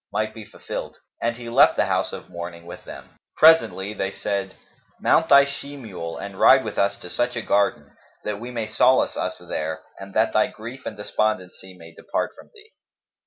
might be fulfilled; and he left the house of mourning with them. Presently they said, "Mount thy she mule and ride with us to such a garden, that we may solace us there and that thy grief and despondency may depart from thee."